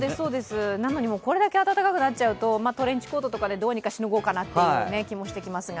なのに、もうこれだけ暖かくなっちゃうと、トレンチコートなどでどうにかしのごうかなという気もしてきますが。